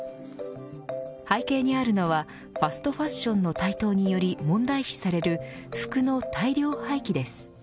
背景にあるのはファストファッションの台頭により問題視される服の大量廃棄です。